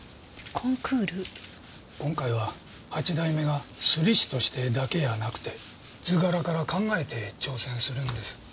今回は八代目が摺師としてだけやなくて図柄から考えて挑戦するんです。